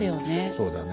そうだね。